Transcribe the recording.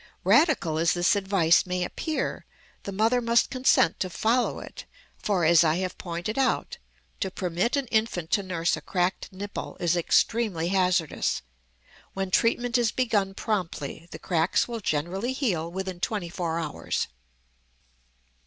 Radical as this advice may appear, the mother must consent to follow it, for, as I have pointed out, to permit an infant to nurse a cracked nipple is extremely hazardous. When treatment is begun promptly the cracks will generally heal within twenty four hours.